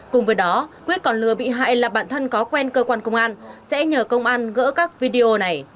cùng với đó quyết còn lừa bị hại là bạn thân có quen cơ quan công an sẽ nhờ công an gỡ các video này